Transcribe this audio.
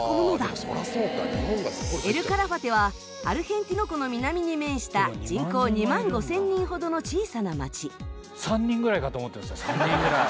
エル・カラファテはアルヘンティノ湖の南に面した人口２万５０００人ほどの小さな街。